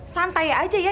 santai aja ya